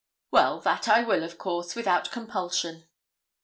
'Well, that I will, of course, without compulsion.